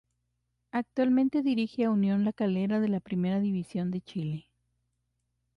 Actualmente dirige a Unión La Calera de la Primera División de Chile.